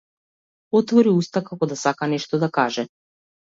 Отвори уста како да сака нешто да каже.